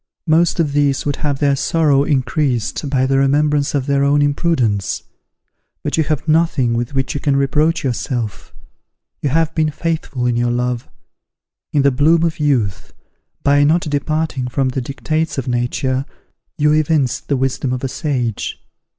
Most of these would have their sorrow increased by the remembrance of their own imprudence. But you have nothing with which you can reproach yourself. You have been faithful in your love. In the bloom of youth, by not departing from the dictates of nature, you evinced the wisdom of a sage.